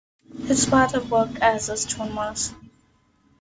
His father worked as stonemason.